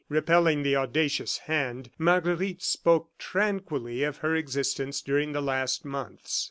Repelling the audacious hand, Marguerite spoke tranquilly of her existence during the last months.